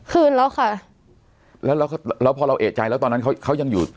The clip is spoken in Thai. คืนแล้วค่ะแล้วแล้วพอเราเอกใจแล้วตอนนั้นเขาเขายังอยู่